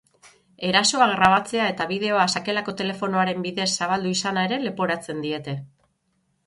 Erasoa grabatzea eta bideoa sakelako telefonoaren bidez zabaldu izana ere leporatzen diete.